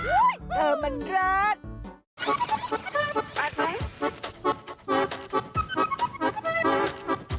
โอ้โหเอวหวานเป็นตำนานอีกหนึ่ง